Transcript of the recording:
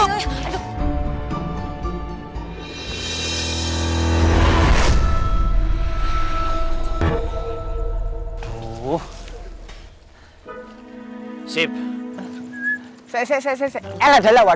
ke sebelah sana yuk